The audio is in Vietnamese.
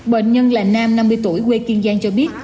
bệnh nhân là nam năm mươi tuổi quê kiên giang cho biết